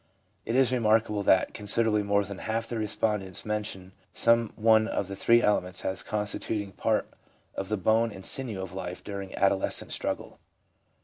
It is remarkable that considerably more than half the respondents mention some one of the three elements as constituting part of the bone and sinew of life during adolescent struggle.